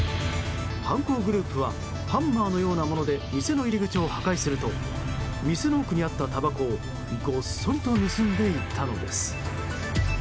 犯行グループはハンマーのようなもので店の入り口を破壊すると店の奥にあった、たばこをごっそりと盗んでいったのです。